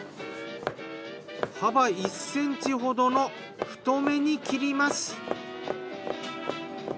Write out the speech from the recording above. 幅１ｃｍほどの太めに切ります。